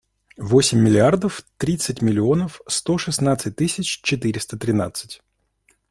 Восемь миллиардов тридцать миллионов сто шестнадцать тысяч четыреста тринадцать.